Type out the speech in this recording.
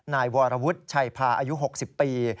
นายวรวุฒิชัยพาอายุ๖๐ปี